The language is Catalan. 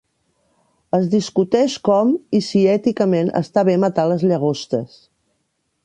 Es discuteix com i si èticament està bé matar les llagostes.